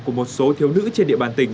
của một số thiếu nữ trên địa bàn tỉnh